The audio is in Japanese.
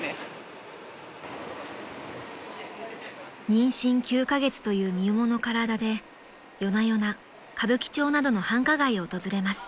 ［妊娠９カ月という身重の体で夜な夜な歌舞伎町などの繁華街を訪れます］